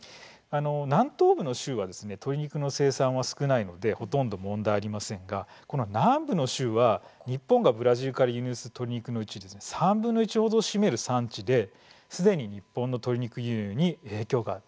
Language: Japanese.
南東部の州は鶏肉の生産は少ないのでほとんど問題ありませんがこの南部の州は日本がブラジルから輸入する鶏肉のうち３分の１ほどを占める産地ですでに日本の鶏肉輸入に影響が出ています。